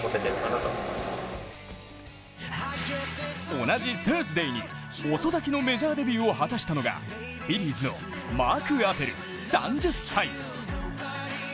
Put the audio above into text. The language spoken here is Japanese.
同じサーズデーに遅咲きのメジャーデビューを果たしたのがフィリーズのマーク・アペル３０歳。